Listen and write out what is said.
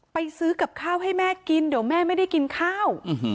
ไปซื้อกับข้าวให้แม่กินเดี๋ยวแม่ไม่ได้กินข้าว